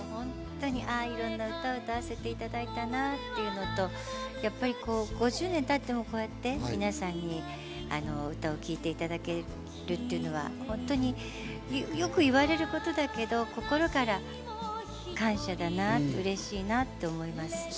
あ、いろんな歌を歌わせていただいたなというのと、やっぱり５０年経っても、こうやって皆さんに歌を聴いていただけるというのは、本当によく言われることだけど、心から感謝だな、うれしいなと思います。